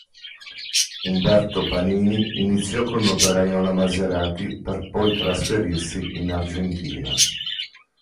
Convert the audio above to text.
Umberto Panini iniziò come operaio alla Maserati per poi trasferirsi in Argentina.